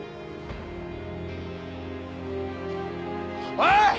おい！